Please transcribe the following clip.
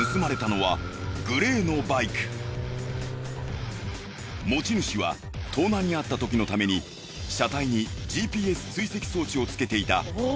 何者かに持ち主は盗難にあったときのために車体にＧＰＳ追跡装置をつけていた。